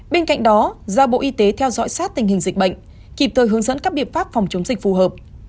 bên cạnh đó giao bộ y tế theo dõi sát tình hình dịch bệnh kịp thời hướng dẫn các biện pháp phòng chống dịch phù hợp